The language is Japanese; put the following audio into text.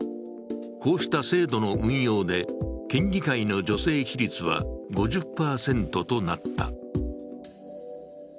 こうした制度の運用で県議会の女性比率は５０％となった。